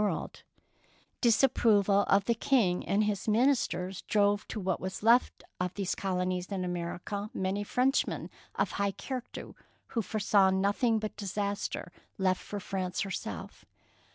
135 DEEDS OF DARING Disapproval of the King and his min isters drove to what was left of these colonies in America many Frenchmen of high character who foresaw nothing but disaster left for France herself.